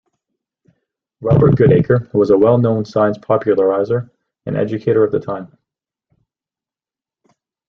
Robert Goodacre was a well-known science populariser and educator of the time.